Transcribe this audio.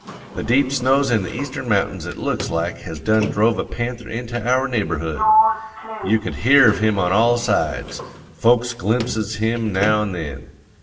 The deep snows in the Eastern mountains it looks like has done drove a panther into our neighborhood. You could hear of him on all sides. Folks glimpses him now an' then.